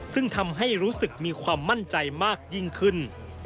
ซึ่งทำให้รู้สึกมีความมั่นใจมากยิ่งขึ้น